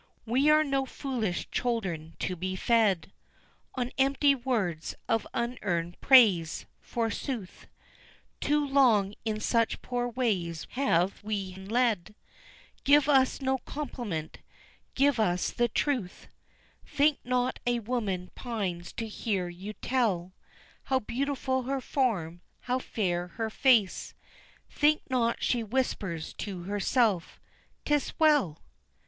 "We are no foolish children to be fed On empty words of unearned praise, forsooth, Too long in such poor ways have we been led, Give us no compliment give us the truth, Think not a woman pines to hear you tell How beautiful her form, how fair her face, Think not she whispers to herself, ''Tis well!